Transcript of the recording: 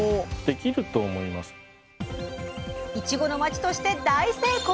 いちごの町として大成功！